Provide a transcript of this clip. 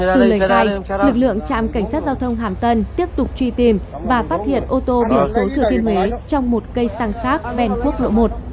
từ lời khai lực lượng trạm cảnh sát giao thông hàm tân tiếp tục truy tìm và phát hiện ô tô biển số thừa thiên huế trong một cây xăng khác ven quốc lộ một